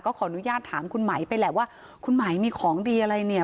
ขออนุญาตถามคุณไหมไปแหละว่าคุณไหมมีของดีอะไรเนี่ย